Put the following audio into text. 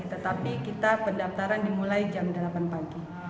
tetapi kita pendaftaran dimulai jam delapan pagi